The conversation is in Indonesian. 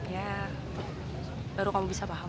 ya baru kamu bisa paham